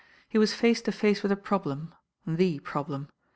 He was face to face with a problem— THE problem.